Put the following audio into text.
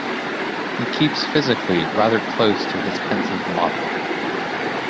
He keeps physically rather close to his pensive model.